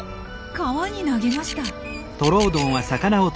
川に投げました。